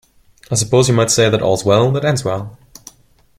I suppose you might say that all's well that ends well.